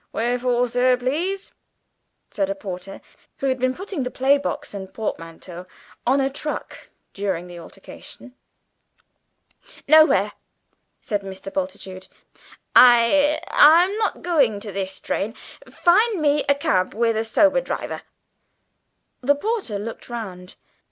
"Where for, sir, please?" said a porter, who had been putting the playbox and portmanteau on a truck during the altercation. "Nowhere," said Mr. Bultitude. "I I'm not going by this train; find me a cab with a sober driver." The porter looked round.